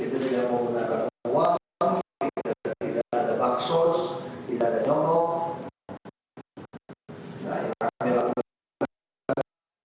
itu tidak menggunakan uang tidak ada back source tidak ada nyokok